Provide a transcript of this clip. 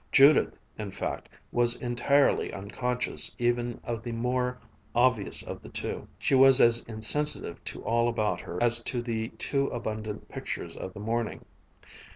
Judith, in fact, was entirely unconscious even of the more obvious of the two. She was as insensitive to all about her as to the too abundant pictures of the morning.